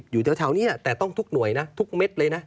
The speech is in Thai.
อยู่แถวนี้แต่ต้องทุกหน่วยนะทุกเม็ดเลยนะ